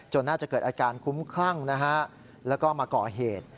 จนน่าจะเกิดอาการคุ้มครั่งแล้วก็มาเกาะเหตุ